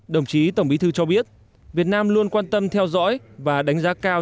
đồng chí tổng bí thư cho biết việt nam luôn quan tâm theo dõi và đánh giá cao